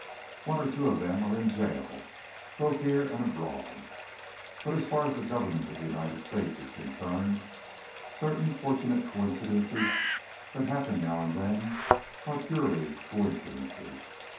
One or two of them are in jail, both here and abroad. But as far as the Government of the United States is concerned, certain fortunate coincidences that happen now and then are purely coincidences.